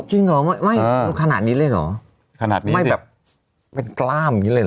จริงเหรอไม่ขนาดนี้เลยเหรอขนาดนี้ไม่แบบเป็นกล้ามอย่างนี้เลยเห